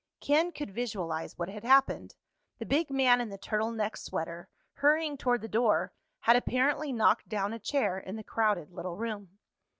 Ken could visualize what had happened. The big man in the turtle neck sweater, hurrying toward the door, had apparently knocked down a chair in the crowded little room.